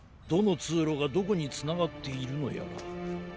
どのつうろがどこにつながっているのやら。